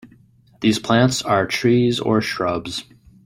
These plants are trees or shrubs.